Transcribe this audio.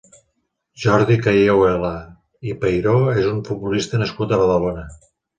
Jordi Cayuela i Peiró és un futbolista nascut a Badalona.